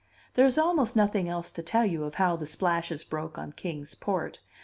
There is almost nothing else to tell you of how the splashes broke on Kings Port.